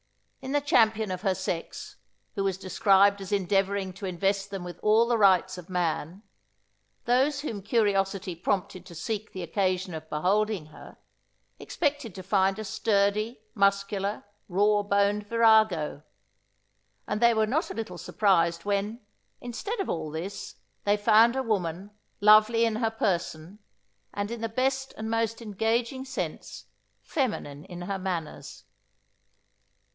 In the champion of her sex, who was described as endeavouring to invest them with all the rights of man, those whom curiosity prompted to seek the occasion of beholding her, expected to find a sturdy, muscular, raw boned virago; and they were not a little surprised, when, instead of all this, they found a woman, lovely in her person, and, in the best and most engaging sense, feminine in her manners.